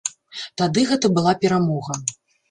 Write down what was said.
Тады гэта была перамога.